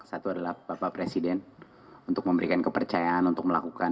satu adalah bapak presiden untuk memberikan kepercayaan untuk melakukan